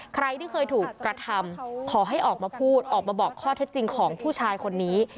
ใครที่เคยถูกกระทำขอให้ออกมาพูดออกมาบอกข้อเท็จจริงของผู้ชายคนนี้